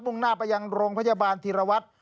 ่งหน้าไปยังโรงพยาบาลธีรวัตร